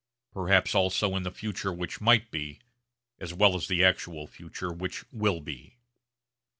Perhaps also in the future which might be as well as the actual future which will be.